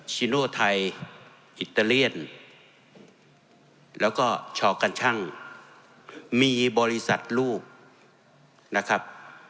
ชิโนไทยอิตาเลียนแล้วก็ชอกันชั่งมีบริษัทลูกนะครับ